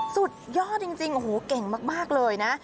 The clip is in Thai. สุดยอดจริงโอ้โหเก่งมากเลยนะ